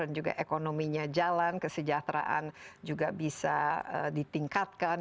dan juga ekonominya jalan kesejahteraan juga bisa ditingkatkan